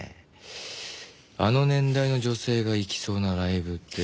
あの年代の女性が行きそうなライブって。